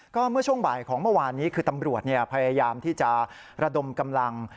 ก็เมื่อช่วงบ่ายของเมื่อวานนี้คือตำรวจพยายามที่จะระดมกำลัง